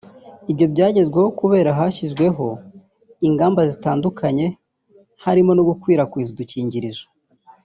Ibyo byagezweho kubera ko hashyizweho ingamba zitandukanye harimo gukwirakwiza udukingirizo